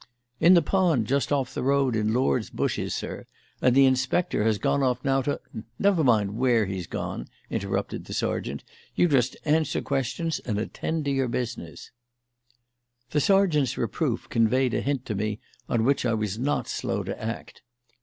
"In the pond just off the road in Lord's Bushes, sir, and the inspector has gone off now to " "Never mind where he's gone," interrupted the sergeant. "You just answer questions and attend to your business." The sergeant's reproof conveyed a hint to me on which I was not slow to act.